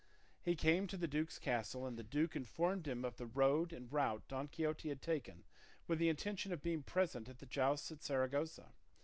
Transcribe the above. He came to the duke's castle, and the duke informed him of the road and route Don Quixote had taken with the intention of being present at the jousts at Saragossa.